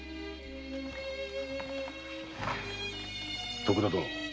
徳田殿。